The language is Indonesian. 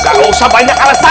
gak usah banyak alasan